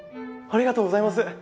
ありがとうございます！